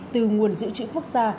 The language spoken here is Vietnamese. từ nguồn giữ trữ quốc gia